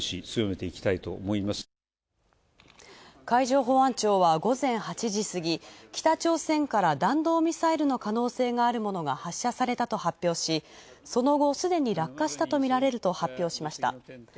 海上保安庁は午前８時過ぎ北朝鮮から弾道ミサイルの可能性があるものが発射されたと発表しその後、すでに落下したものとみられると発表しました。